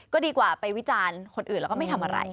ก็ดีกว่าไปวิจารณ์คนอื่นแล้วก็ไม่ทำอะไร